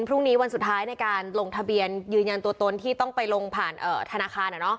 พรุ่งนี้วันสุดท้ายในการลงทะเบียนยืนยันตัวตนที่ต้องไปลงผ่านธนาคาร